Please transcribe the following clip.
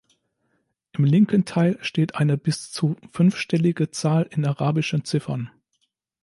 Im linken Teil steht eine bis zu fünfstellige Zahl in arabischen Ziffern.